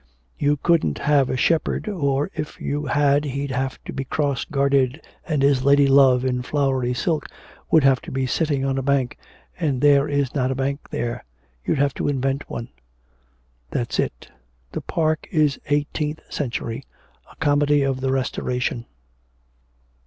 'You couldn't have a shepherd, or if you had he'd have to be cross gartered, and his lady love in flowery silk would have to be sitting on a bank, and there is not a bank there, you'd have to invent one.' 'That's it; the park is eighteenth century, a comedy of the restoration.'